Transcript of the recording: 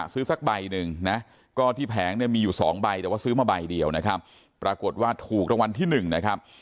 ซื้อสักใบหนึ่งนะก็ที่แผงเนี่ยมีอยู่๒ใบแต่ว่าซื้อมาใบเดียวนะครับปรากฏว่าถูกรางวัลที่๑นะครับ